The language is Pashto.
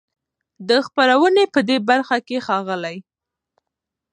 د خپرونې په دې برخه کې له ښاغلي